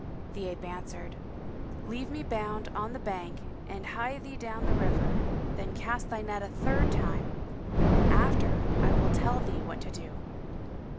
The Ape answered, "Leave me bound on the bank and hie thee down to the river; then cast thy net a third time, and after I will tell thee what to do."